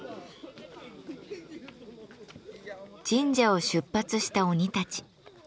神社を出発した鬼たち。